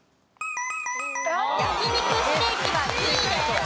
焼肉ステーキは２位です。